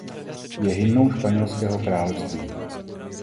Je hymnou Španělského království.